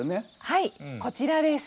はいこちらです。